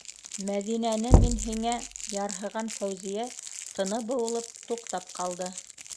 Мәҙинәне мин һиңә... - ярһыған Фәүзиә, тыны быуылып, туҡтап ҡалды.